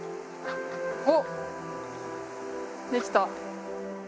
おっできた。